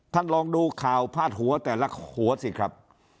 ท่านลองดูข่าวพาดหัวแต่ละหัวสิครับ